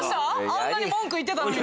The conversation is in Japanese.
あんなに文句言ってたのに。